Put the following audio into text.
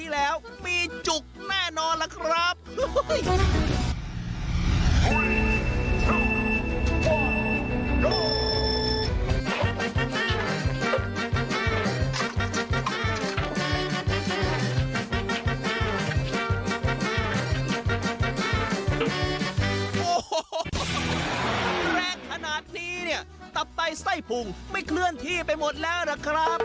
โอ้โหแรงขนาดนี้เนี่ยตับไตไส้พุงไม่เคลื่อนที่ไปหมดแล้วล่ะครับ